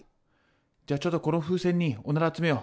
じゃあちょっとこの風船にオナラ集めよう。